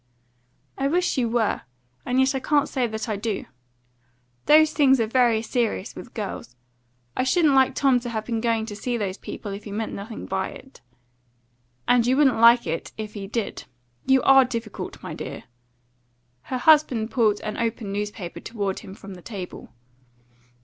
"I wish you were. And yet I can't say that I do. Those things are very serious with girls. I shouldn't like Tom to have been going to see those people if he meant nothing by it." "And you wouldn't like it if he did. You are difficult, my dear." Her husband pulled an open newspaper toward him from the table.